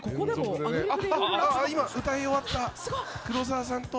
あっ今歌い終わった黒沢さんと。